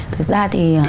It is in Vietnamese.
thực ra thì